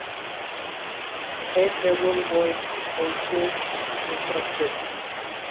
Air travel was also disrupted.